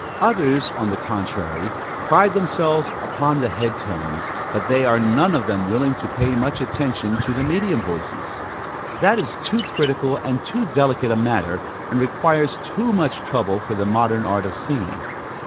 Others, on the contrary, pride themselves upon the head tones; but they are none of them willing to pay much attention to the medium voices: that is too critical and too delicate a matter, and requires too much trouble, for the modern art of singing.